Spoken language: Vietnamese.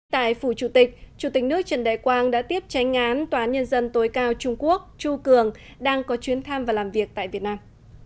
tại phủ chủ tịch chủ tịch nước trần đại quang đã tiếp tránh án tòa án nhân dân tối cao trung quốc chu cường đang có chuyến thăm và làm việc tại việt nam